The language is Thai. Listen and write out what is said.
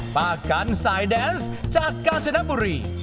ป้ากันสายแดนส์จากกาญจนบุรี